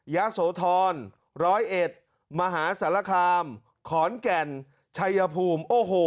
ยะโสธรร้อยเอ็ดมหาสารคามขอนแก่นชัยภูมิโอ้โห